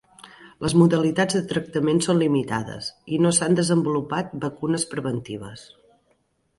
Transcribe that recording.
Les modalitats de tractament són limitades i no s'han desenvolupat vacunes preventives.